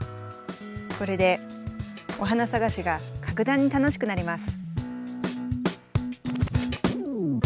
これでお花探しが格段に楽しくなります。